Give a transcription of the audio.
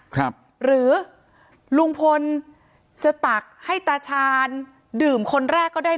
คือจะเอายังไงก็ได้